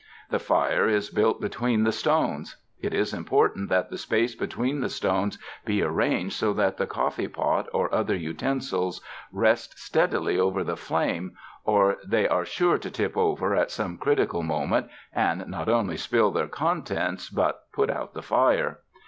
The fire is built be tween the stones. It is important that the space between the stones be arranged so that the coffee pot or other utensils rest steadily over the flame, or they are sure to tip over at some critical moment and not only spill their contents but put out the fire.